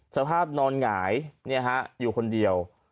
สภาพนอนหงายอยู่คนเดียว